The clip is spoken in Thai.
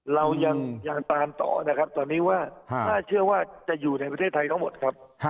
เรายังตามต่อนะครับตอนนี้ว่าน่าเชื่อว่าจะอยู่ในประเทศไทยทั้งหมดครับ